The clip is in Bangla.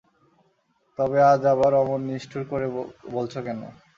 তবে আজ আবার অমন নিষ্ঠুর করে বলছ কেন?